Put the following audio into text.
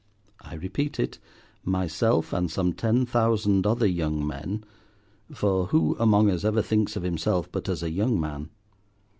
I repeat it—myself and some ten thousand other young men; for who among us ever thinks of himself but as a young man?